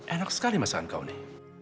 enak sekali masakan kau ini